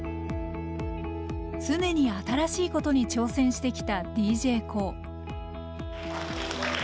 常に新しいことに挑戦してきたＤＪＫＯＯ。